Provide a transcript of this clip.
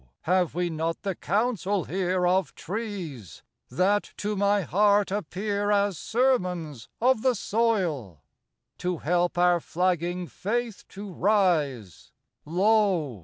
have we not the council here Of trees, that to my heart appear As sermons of the soil? To help our flagging faith to rise, Lo!